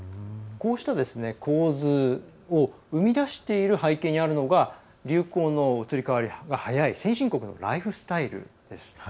こうした構図を生み出している背景にあるのが流行の移り変わりが早い先進国のライフスタイルです。